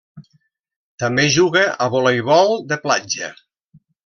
També juga a voleibol de platja.